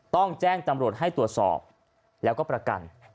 ต้องแจ้งตำรวจให้ตรวจสอบแล้วก็ประกัน